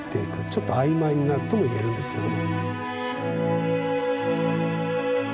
ちょっと曖昧になるとも言えるんですけど。